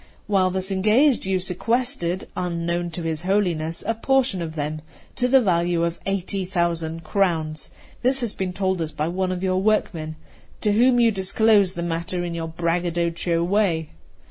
While thus engaged, you sequestered, unknown to his Holiness, a portion of them, to the value of eighty thousand crowns. This has been told us by one of your workmen, to whom you disclosed the matter in your braggadocio way.